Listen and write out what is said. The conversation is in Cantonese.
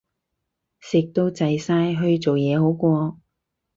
食到滯晒，去做嘢好過